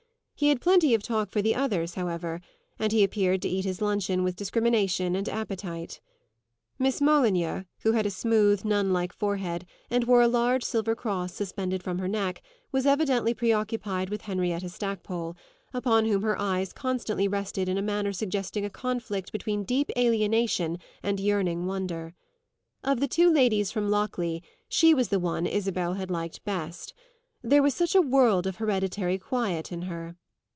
He had plenty of talk for the others, however, and he appeared to eat his luncheon with discrimination and appetite. Miss Molyneux, who had a smooth, nun like forehead and wore a large silver cross suspended from her neck, was evidently preoccupied with Henrietta Stackpole, upon whom her eyes constantly rested in a manner suggesting a conflict between deep alienation and yearning wonder. Of the two ladies from Lockleigh she was the one Isabel had liked best; there was such a world of hereditary quiet in her.